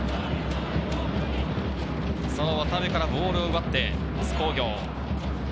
その渡辺がボールを奪って、津工業。